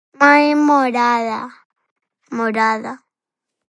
Morada, morada.